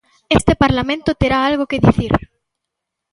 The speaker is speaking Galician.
Este Parlamento terá algo que dicir.